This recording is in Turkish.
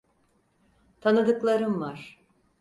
Tanıdıklarım var.